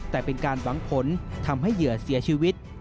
แต่เป็นการหวังผลทำให้เหยื่อเสียชีวิต